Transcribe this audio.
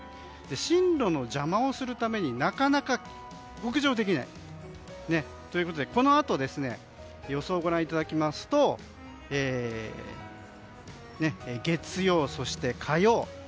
進路の邪魔をするためになかなか北上できない。ということで、このあとの予想をご覧いただきますと月曜日、そして火曜。